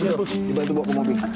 tiba tiba itu bawa ke mobil